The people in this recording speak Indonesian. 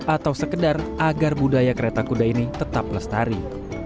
atau sekedar agar budaya kereta kuda ini tetap lestari